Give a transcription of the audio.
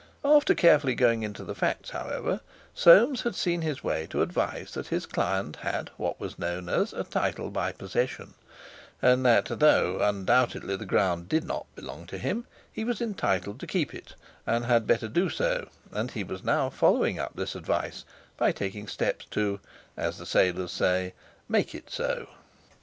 After carefully going into the facts, however, Soames had seen his way to advise that his client had what was known as a title by possession, and that, though undoubtedly the ground did not belong to him, he was entitled to keep it, and had better do so; and he was now following up this advice by taking steps to—as the sailors say—"make it so."